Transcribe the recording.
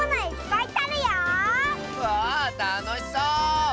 わあたのしそう！